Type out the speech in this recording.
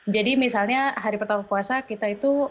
jadi misalnya hari pertama puasa kita itu